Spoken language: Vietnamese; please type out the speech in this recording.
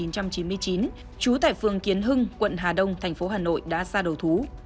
trú tại phường kiến hưng quận hà đông thành phố hà nội đã ra đầu thú